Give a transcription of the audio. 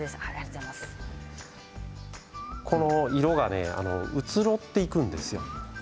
この色がね移ろっていくんですよ。